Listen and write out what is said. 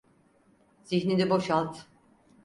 Zihnini boşalt.